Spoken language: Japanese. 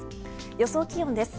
予想気温です。